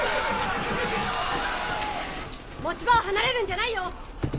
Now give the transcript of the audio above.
持ち場を離れるんじゃないよ！